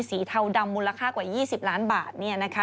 เทาดำมูลค่ากว่า๒๐ล้านบาท